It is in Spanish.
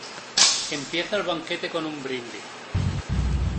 Empieza el banquete con un brindis.